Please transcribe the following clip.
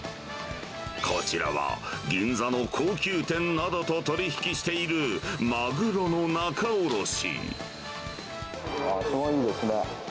こちらは銀座の高級店などと取り引きしているマグロの仲卸。